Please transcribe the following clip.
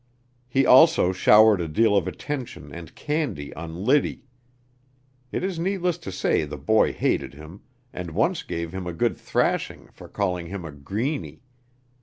He also showered a deal of attention and candy on Liddy. It is needless to say the boy hated him, and once gave him a good thrashing for calling him a "greeny."